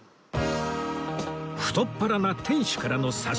太っ腹な店主からの差し入れ